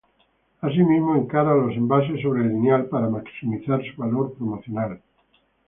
Asimismo, encara los envases sobre el lineal para maximizar su valor promocional.